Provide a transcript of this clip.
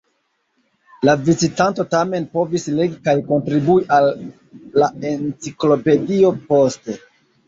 La vizitanto tamen povis legi kaj kontribui al la enciklopedio poste.